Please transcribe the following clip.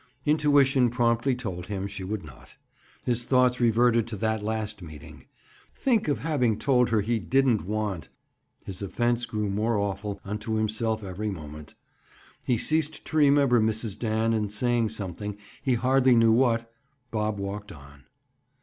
Intuition promptly told him she would not. His thoughts reverted to that last meeting. Think of having told her he didn't want—His offense grew more awful unto himself every moment. He ceased to remember Mrs. Dan, and saying something, he hardly knew what, Bob walked on.